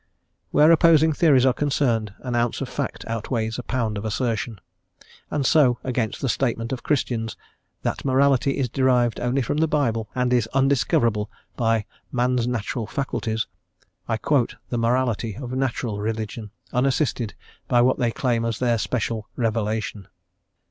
Where opposing theories are concerned an ounce of fact outweighs pounds of assertion; and so against the statement of Christians, that morality is derived only from the Bible and is undiscoverable by "man's natural faculties," I quote the morality of natural religion, unassisted by what they claim as their special "revelation."